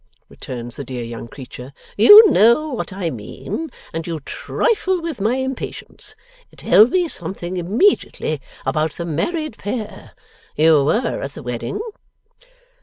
returns the dear young creature. 'You know what I mean, and you trifle with my impatience. Tell me something, immediately, about the married pair. You were at the wedding.